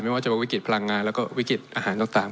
ไม่ว่าจะเป็นวิกฤตพลังงานแล้วก็วิกฤตอาหารต่าง